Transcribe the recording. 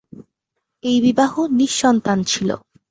এই বিবাহ নিঃসন্তান ছিল।